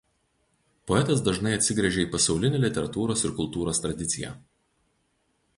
Poetas dažnai atsigręžia į pasaulinę literatūros ir kultūros tradiciją.